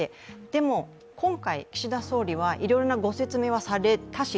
でも今回、岸田総理はいろいろなご説明はされたし、